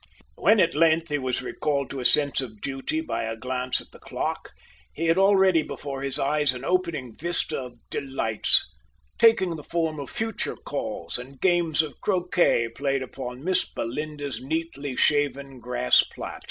When, at length, he was recalled to a sense of duty by a glance at the clock, he had already before his eyes an opening vista of delights, taking the form of future calls, and games of croquet played upon Miss Belinda's neatly shaven grass plat.